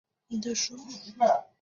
我最后的请求是牵着妳的手